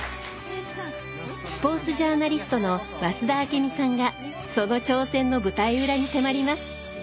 スポーツジャーナリストの増田明美さんがその挑戦の舞台裏に迫ります。